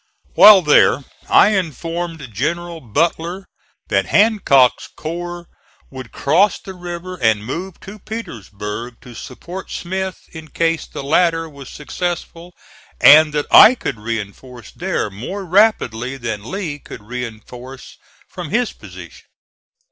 While there I informed General Butler that Hancock's corps would cross the river and move to Petersburg to support Smith in case the latter was successful, and that I could reinforce there more rapidly than Lee could reinforce from his position.